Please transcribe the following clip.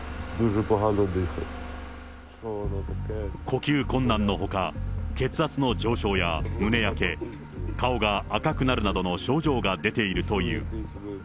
呼吸困難のほか、血圧の上昇や胸やけ、顔が赤くなるなどの症状が出ているという。